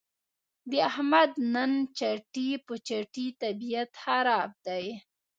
د احمد نن چټي په چټي طبیعت خراب دی.